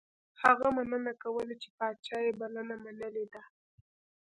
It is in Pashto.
هغه مننه کوله چې پاچا یې بلنه منلې ده.